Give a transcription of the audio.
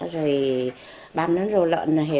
rồi băm rau lợn